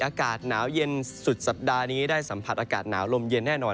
อากาศหนาวเย็นสุดสัปดาห์นี้ได้สัมผัสอากาศหนาวลมเย็นแน่นอน